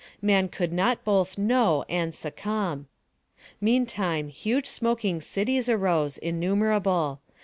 Man could not both know and succumb. Meantime huge smoking cities arose, innumerable.